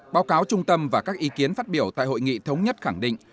báo cáo trung tâm và các ý kiến phát biểu tại hội nghị thống nhất khẳng định